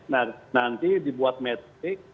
nah nanti dibuat metrik